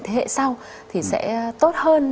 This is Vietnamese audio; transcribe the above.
thế hệ sau thì sẽ tốt hơn